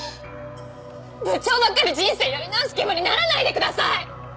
部長ばっかり人生やり直す気分にならないでください！